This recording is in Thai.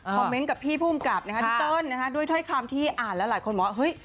เมนต์กับพี่ผู้กำกับนะคะพี่เติ้ลนะฮะด้วยถ้อยคำที่อ่านแล้วหลายคนบอกว่าเฮ้ย